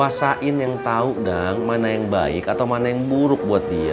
kuasain yang tahu dong mana yang baik atau mana yang buruk buat dia